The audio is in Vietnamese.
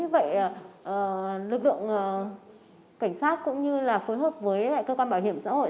vậy lực lượng cảnh sát cũng như là phối hợp với cơ quan bảo hiểm xã hội